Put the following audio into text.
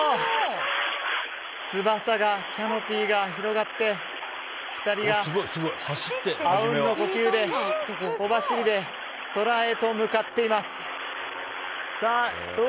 翼が、キャノピーが広がって２人が阿吽の呼吸で小走りで空へと向かっています。